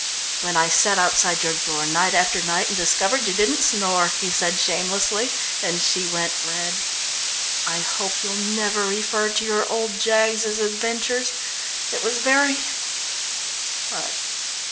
"When I sat outside your door night after night and discovered you didn't snore," he said shamelessly, and she went red. "I hope you'll never refer to your old Jaggs's adventures. It was very " "What?"